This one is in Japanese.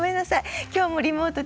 今日もリモートです。